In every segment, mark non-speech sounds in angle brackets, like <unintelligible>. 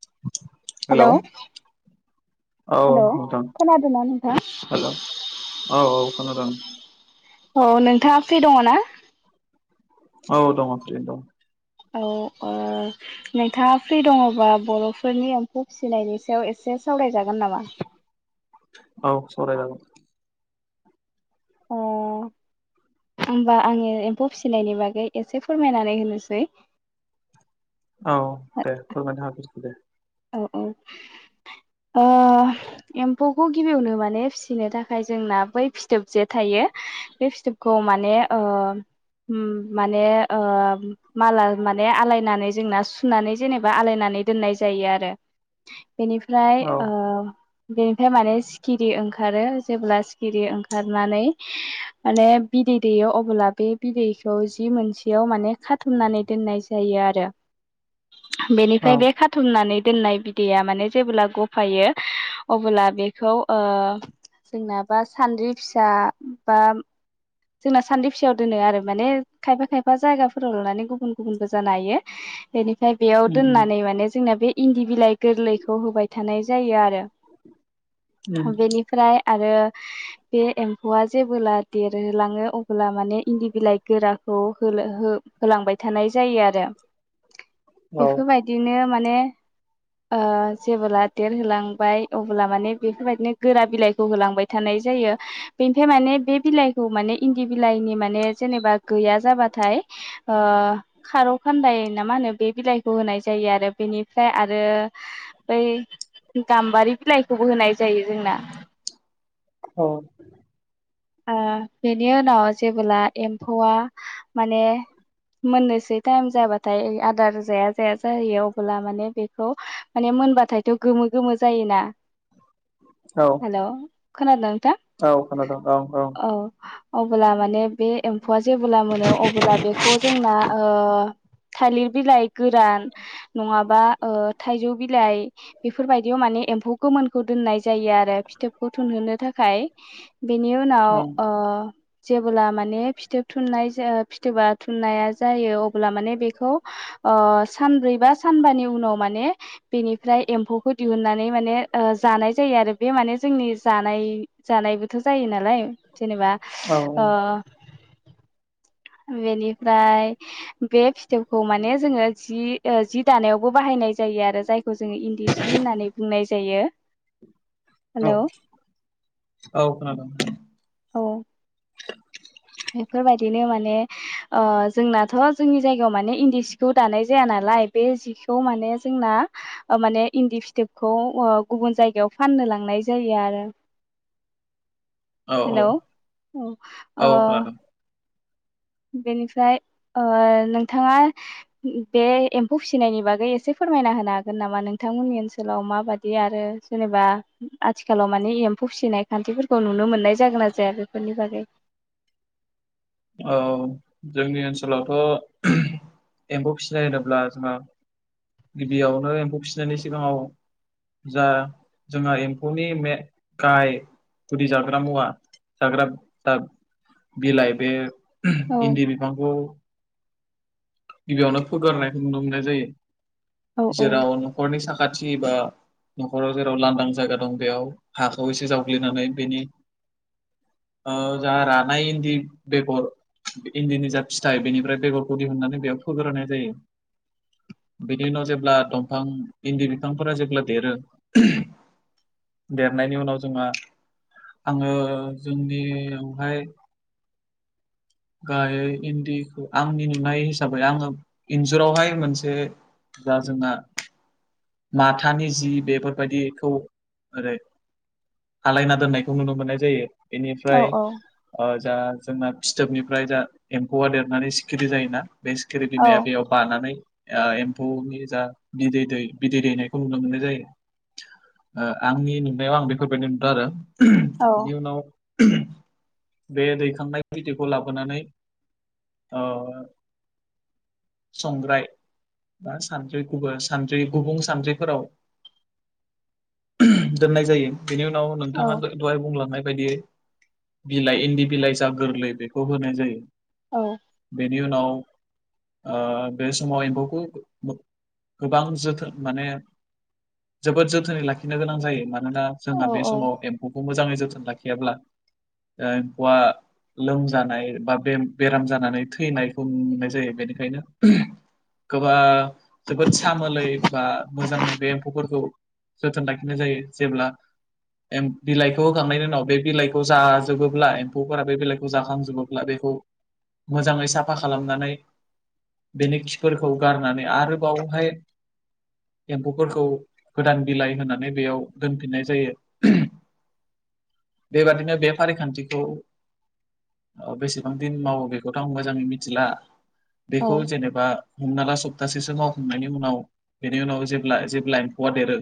<inaudible> Hello औ hello नोंथां खोनादोंना नोंथां? हेलौ औ औ खोनादों अ नोंथाङा फ्रि दङ ना? औ दङ फ्रियैनो दं अ ओ नोंथाङा फ्रि दङबा बर'फोरनि एम्फौ फिसिनायनि सायाव एसे सावरायजागोन नामा? औ सावरायजागोन अ ओमबा आङो एम्फौ फिसिनायनि बागै एसे फोरमायनानै होनोसै औ दे फोरमायना होग्रोदो दे औ औ ओ एम्फौखौ गिबियावनो माने फिसिनो थाखाय जोंना बै फिथोब जे थायो बे फिथोबखौ माने ओ उम माने ओ माला माने आलायनानै जोंना सुनानै जेनेबा आलायनानै दोननाय जायोआरो बेनिफ्राय औ ओ बेनिफ्राय माने सिखिरि ओंखारो जेब्ला सिखिरि ओंखारनानै माने बिदै दैयो अब्ला बे बिदैखौ जि मोनसेयाव माने खाथुमनानै दोननाय जायो आरो औ बेनिफ्राय बे खा खाथुमनानै दोननाय बिदैया माने जेब्ला गफायो अबोब्ला बेखौ ओ जोंना बा सान्द्रि फिसा बा जोंना सान्द्रि फिसायाव दोनो आरो माने खायफा खायफा जायगाफोराव लानानै गुबुन गुबुनबो जानो हायो बेनिफ्राय बेयाव उम उम दोननानै माने जोंना बे इन्दि बिलाइ गोरलैखौ होबाय थानाय जायो आरो उम बेनिफ्राय आरो बे एम्फौआ जेबोला दे लाङो अब्ला माने इन्दि बिलाइ गोराखौ हो हो होलांबाय थानाय जायो आरो औ बेफोरबाय दिनो माने ओ जेबोला देरहोलांबाय अब्ला माने बेफोरबायदिनो गोरा बिलाइखौ होलांबाय थानाय जायो बेनिफ्राय माने बे बिलाइ खौ माने इन्दि बिलाइनि माने जेनेबा गैया जाबाथाय ओ खारौ खानदाय ना मा होनो बे बिलाइखौ होनाय जायो आरो बेनिफ्राय आरो बै गाम्बारि बिलाइखौबो होनाय जायो जोंना औ ओ बेनि उनाव जेबोब्ला एम्फौआ माने मोननोसै टाइम जाबाथाय आदार जाया जाया जाहैयो अब्ला माने बेखौ माने मोनबाथायथ गोमो गोमो जायोना औ हेलौ खोनादोना नोंथां औ खोनादों ओं। अ अब्ला माने बे एम्फौआ जेबोला मोनो अबोब्ला बेखौ जोंना ओ थालिर बिलाइ गोरान, नङाबा ओ थाइजौ बिलाइ बेफोरबायदियाव माने एम्फौ गोमोनखौ दोननाय जायो आरो फिथोबखौ थुनहोनो थाखाय। बिनि उनाव उम ओ जेबोला माने फिथोब थुननाय फिथोबा थुननाया जायो अब्ला माने बेखौओ ओ सानब्रै बा सानबानि उनाव माने बेनिफ्राय एम्फौखौ दिहुननानै माने जानाय जायो आरो बे माने जोंनि जानाय जानायबोथ' जायोलाय जेनेबा औ ओ बे बाय बे फिथोबखौ माने जोङो जि जि दानायावबो बाहायनाय जायो आरो जायखौ खौ जोङो इन्दि सि होननानै बुंनाय जायो औ हेलौ औ खोनादों। औ। बेफोरबायदिनो माने जोंनाथ' जोंनि जायगायाव माने इन्दि सिखौ दानाय जाया नालाय बे जिखौ माने जोंना माने इन्दि फिथोबखौ गुबुन जायगायाव फाननो लांनाय जायो आरो। औ औ हेलौ ओ औ खोनादों बेनिफ्राय ओ नोंथाङा बे एम्फौ फिसिनायनि बागै एसे फोरमायना होनो हागोन नामा नोंथांमोननि ओनसोलाव माबादि बे आरो जेनेबा आथिखालाव मानि एम्फौ फिसिनाय खान्थिफोरखौ नुनो मोननाय जागोन ना जाया? बेफोरनि बागै औ जोंनि ओनसोलवबो एम्फौ फिसिनाय होनोब्ला जोंहा गिबियावनो एम्फौ फिसिनायनि सिगाङाव जा जोंहा एम्फौनि मे गाहाया गुदि जाग्रा मुवा <unintelligible> बे औ इन्दि बिफांखौ गिबियावनो फोगोरनायखौ नुनो मोननाय औ जायो औ जेराव न'खरनि साखाथि बा न'खराव जेराव लांदां जायगा दं बेयाव हाखौ एसे जावग्लिनानै बेनि जा रानाय इन्दि बेगर इन्दिनि जा फिथाइ बेनिफ्राय बेगरखौ दिहुननानै बेयाव फोग्रोनाय जायो। बिनि उनाव जेब्ला दंफां इन्दि बिफांफोरा जेब्ला देरोओ देरनायनि उनाव जोहा आङो जोंनियावहायो गायो इन्दिखौ आंनि नुनायाव हिसाबै आङो इन्जुरावहाय मोनसे दा जा जोंना माथानि जि बेफोरबादिखौ ओरै आलायना दोननायखौ नुनो मोननाय जायो औ औ बिनिफ्रायो जा जोंना फिथोबनिफ्राय जा एम्फौवा देरनानै सिखिरि जायोना बे <unintelligible> बानानै एम्फौनि जा बिदै दै बिदै दैनायखौ नुनो मोननाय जायो। आंनि नुनायाव आं बेफोरबादि नुदों आरो औ बिनि उनाव बे दैखांनाय बिदैखौ लाबोनानै ओ संग्राय बा सानद्रि गुबुं सानद्रि गुबुं सानद्रिफोराव दोननाय जायो बेनि उनाव नोंथाङा औ दहाय बुंलांनाय बायदियै बिलाइ इन्दि बिलाइ जा गोरलै बेखौ होनाय जायो। औ। बेनि उनाव ओ बे समाव एम्फौखौ गोबां जोथोन माने जोबोद जोथोनै लाखिनो गोनां जायो मानोना औ जोंहा बे समाव एम्फौखौ मोजाङै जोथोन लाखियाब्ला ओ एम्फौआ लोमजानाय बा बे बेराम जानानै थैनायखौ नुनो मोननाय जायो बेनिखायनो गोबां जोबोद सामोलै बा मोजाङै बे एम्फौफोरखौ जोथोन लाखिनाय जायो जेब्ला बिलाइखौ होखांनायनि उनाव बे बिलाइखौ जाजोबोब्ला एम्फौफोरा बे बिलाइखौ जाखांजोबो ब्ला बेखौ मोजाङै साफा खालामनानै बेनि खिफोरखौ गारनानै आरोबावहाय एम्फौफोरखौ गोदान बिलाइ होनानै बेयाव दोनफिननाय जायो बेबादिनो बे फारिखान्थिखौ बेसेबां दिन मावो बेखौथ' आं मोजाङै मिथिला औ बेखौ जेनेबा हमना ला सप्तासेसो मावखांनायनि उनाव बेनि उनाव जेब्ला जेब्ला एम्फौआ देरो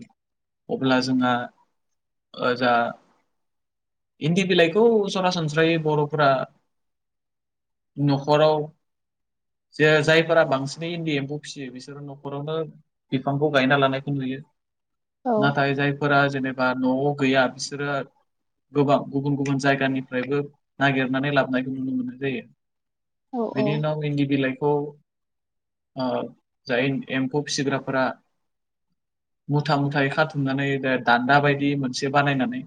अब्ला जोंहा ओ जा इन्दि बिलाइखौ सरासनस्रायै बर'फोरा न'खराव जे जायफोरा बांसिनै इनदि एमफौ फियो बिसोर न'खरावनो बिफांखौ गायना लानायखौ नुयो नाथाय जाय फोरा जेनेबा न'आव गैया बिसोरो गोबां गुबुन गुबुन जायगानिफ्रायबो नागिरनानै लाबोनायखौ नुनो मोननाय जायो औ बिनि उनाव इनदि बिलाइ खौ ओ जाय एमफौ फिसिग्राफोरा मुथा मुथायै खाथुमनानै दानदा बायदि मोनसे बानायनानै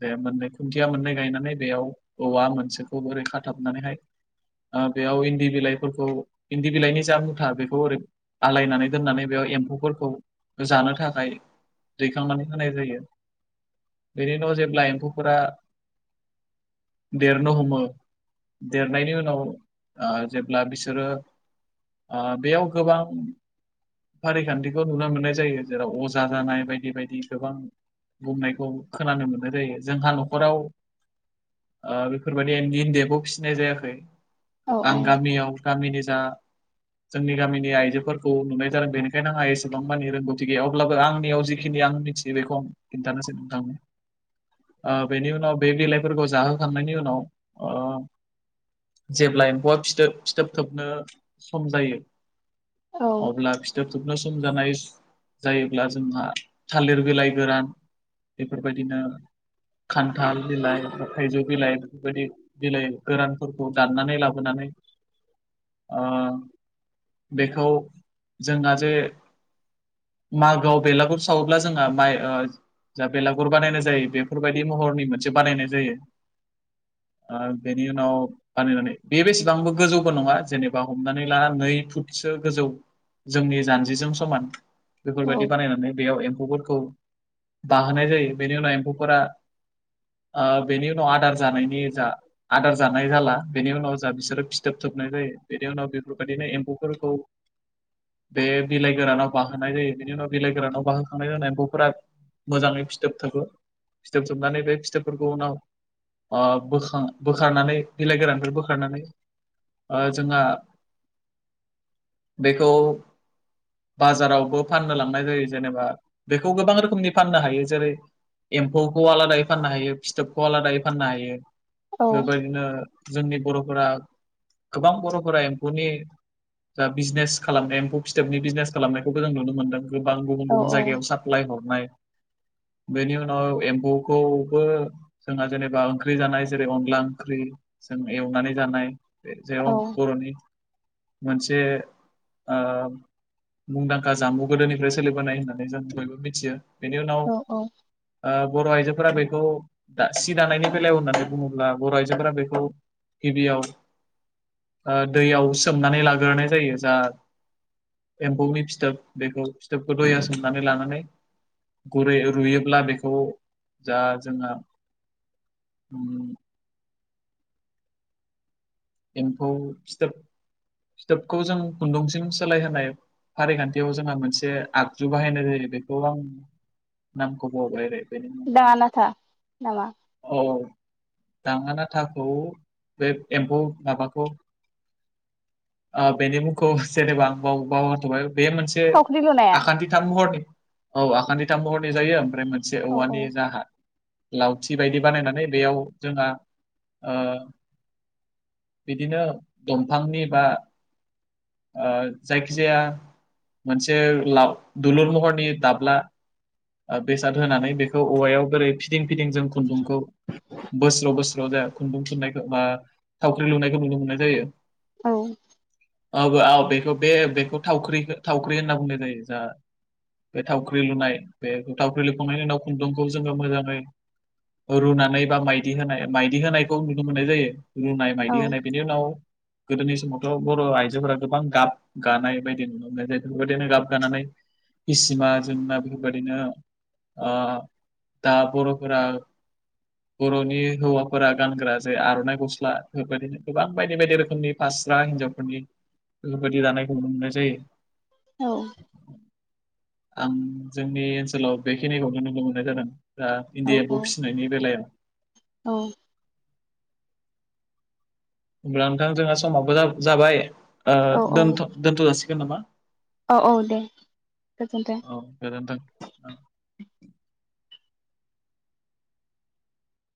जे मोननै खुनथिया मोननै गायनानै बेयाव औवा मोनसेखौ ओरै खाथाबनानैहाय बेयाव इन्दि बिलाइ फोरखौ इनदि बिलाइनि जा मुथा बेखौ ओरै आलायनानै दोननानै बेयाव एमफौफोरखौ जानो थाखाय दैखांनानै होनाय जायो बेनि उनाव जेब्ला एमफौफोरा देरनो हमो देरनायनि उनाव ओ जे ब्ला बिसोरो ओ बेयाव गोबां फारिखानथिखौ नुनो मोननाय जायो जेराव अजा जानाय बायदि बायदि गोबां बुंनायखौ खोनानो मोननाय जायो जोंहा न'खराव ओ बेफोरबायदि इनदि एमफौ फिसिनाय जायाखै औ औ आं मियाव गामिनि जा जोंनि गामिनि आइजोफोरखौ नुनाय जादों बेनिखायनो आंहा एसेबां मानि रोंगौथि गैया अब्लाबो आंनियाव जिखिनि आंनि थियो बेखौ आं खिनथानोसै नोंथां ओ बेनि उनाव बे बिलाइफोरखौ जाहोखांनायनि उनाव ओ जेब्ला एमफौआ फिथोब फिथोब थोबनो सम जायो अब्ला फि थोब थुबनो सम जानाय जायोब्ला जोंहा थालिर बिलाइ गोरान बेफोरबायदिनो खानथाल बिलाइ थाइजौ बिलाइ बेफोरबायदि बिलाइ गोरानफोरखौ दाननानै लाबोनानै ओ बेखौ जोंहा जे मागोयाव बेलागुर सावोब्ला जोंहा माइ ओ जा बेलागुर बानायनाय जायो बेफोरबायदि महरनि मोनसे बानायनाय जायो ओ बेनि उनाव बानायनानै बे बेसे बांबो गोजौबो नङा जेनेबा हमनानै लाना नै फुटसो गोजौ जोंनि जानजिजों समान औ बेफोरबायदि बानायनानै बेयाव एमफौफोरखौ बाहोनाय जायो बेनि उनाव एम्फौफोरा ओ बेनि उनाव आदार जानायनि जा आदार जानाय जाला बेनि उनाव जा बिसोरो फिथोब थोबनाय जायो बेनि उनाव बेफोरबायदिनो एम्फौ फोरखौ बे बिलाइ गोरानाव बाहोनाय जायो बिनि उनाव बिलाइ गोरानाव बाहोखांनाय उनाव एम्फौफोरा मोजाङै फिथोब थोबो फिथोब थोबनानै बे फिथोबफोरखौ उनाव ओ बोखारनानै बिलाइ गोरानफोर बो नानै ओ जोंहा बेखौ बाजारावबो फाननो लांनाय जायो जेनेबा बेखौ गोबां रोखोमनि फाननो हायो जेरै एमफौखौ आलादायै फाननो हायो फिथोबखौ आलादायै फाननो हायो औ बेबायदिनो जोंनि बर'फोरा गोबां बर'फोरा एम्फौनि जा बिजनेस खालामनाय एमफौ फिथोबनि बिजनेस खालामनायखौबो जों नुनो मोनदों गोबां गुबुन गुबुन जायगायाव साफ प्लाय हरनाय बेनि उनाव एम्फौखौबो जोंहा जेनेबा ओंख्रि जानाय जेरै अनला ओंख्रि जों एवनानै जानाय जेराव औ बर'नि मोनसे ओ मुंदांखा जामुं गोदोनिफ्राय सोलिबोनाय होननानै जों बयबो मिथियो बेनि उनाव औ औ ओ बर' आइजोफोरा बेखौ सि दानायनि बेलायाव होननानै बुङोब्ला बर' आइजोफोरा बेखौ गिबियाव आ दैयाव सोमनानै लाग्रोनाय जायो जा एमफौनि फिथोब बेखौ फिथोबखौ दैयाव सोमनानै लानानै गुरै रुयोब्ला बेखौ जा जोंहा एम्फौ फिथोब फिथोबखौ जों खुन्दुंसिम सोलायहोनाय फारिखान्थियाव जोंहा मोनसे आगजु बाहायनाय जायो बेखौ आं नामखौ बावबाय ओरै बेनि मुङा दाङा नाथा नामा औ दाङा नाथाखौ बे एम्फौ माबाखौ बेनि मुंखौ जेनेबा आं बाव बावथ'बाय बे मोनसे बे थावख्रि लुनाया आखान्थि थाम महरनि औ आखान्थिथाम महरनि जायो ओमफ्राय मोनसे औ औ औवानि जाहा लावथि बायदि बानायनानै बेयाव जोंहा ओ बिदिनो दंफांनि बा जायखिजाया मोनसे दुलुर महरनि दाब्ला बेसाद होनानै बेखौ औवायाव बोरै फिदिं फिदिं जों खुन्दुंखौ बोस्ल' बोस्ल ज खुन्दुं‌‌ थुननायखौ बा थावख्रि लुनायखौ नुनो मोननाय जायो औ औ औ बेखौ बे बेखौ थावख्रि थावख्रि होनना बुंनाय जायो जा बे थावख्रि लुनाय बे थावख्रि लुखांनायनि उनाव खुन्दुंखौ जोङो मोजाङै रुनानै बा माइदि होनाय माइदि होनायखौ नुनो मोननाय जायो रुनाय औ माइदि होनाय बिनि उनाव गोदोनि समावथ' बर' आइ फोरा गोबां गाब गानाय बायदि नुनो मोनो जायफोर बायदिनो गाब गानानै इसिमा जोंना बेफोरबायदिनो आ दा बर'फोरा <inaudible> बर'नि हौवाफोरा गानग्रा जे आर'नाइ गस्ला बेफोरबायदिनो गोबां बायदि बायदि रोखोमनि हास्रा हिनजावफोरनि बेफोरबायदि दानायखौ नुनो मोननाय जायो औ आं जोंनि ओनसोलाव बेखिनिखौनो नुनो मोननाय जादों दा इनदि एम्फौ फिसिनायनि बेलायाव औ अब्ला नोंथां जोंहा समाबो जाबाय' दोनथ' जासिगोन नामा औ-औ दे गोजोन्थों औ गोजोनथों